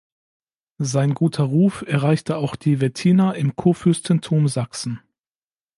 Sein guter Ruf erreichte auch die Wettiner im Kurfürstentum Sachsen.